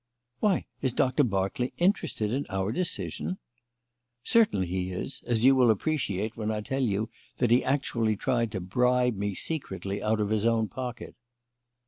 "Why, is Doctor Berkeley interested in our decision?" "Certainly he is, as you will appreciate when I tell you that he actually tried to bribe me secretly out of his own pocket."